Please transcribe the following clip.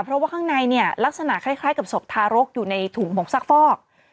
เพราะว่าข้างในเนี่ยลักษณะคล้ายกับศพทารกอยู่ในถุงหกซักฟอก